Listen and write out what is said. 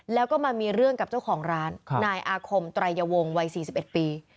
แล้วก็มามีเรื่องกับเจ้าของร้านนายอาคมไตรยวงวัย๔๑ปี